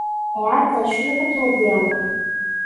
Iɛeḍḍel cwiṭ akken ad d-yaweḍ.